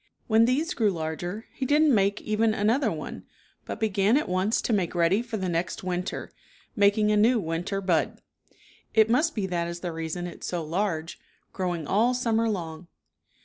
When these grew larger he didn't make even another one, but began at once to make ready for the next winter, making a new win ter bud. It must be that is the reason it's so large, growing all summer long.